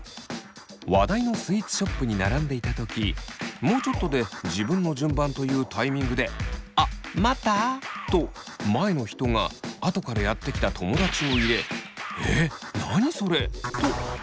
話題のスイーツショップに並んでいたときもうちょっとで自分の順番というタイミングであ「待った？」と前の人が後からやって来た友だちを入れ「えっ何それ」とイラっとした。